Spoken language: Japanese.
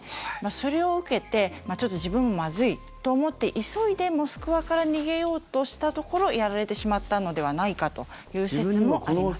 それを受けてちょっと自分もまずいと思って急いでモスクワから逃げようとしたところやられてしまったのではないかという説もあります。